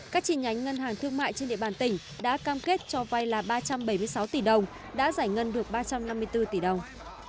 các chi nhánh ngân hàng thương mại trên địa bàn tỉnh đã cam kết cho vay là ba trăm bảy mươi sáu tỷ đồng đã giải ngân được ba trăm năm mươi bốn tỷ đồng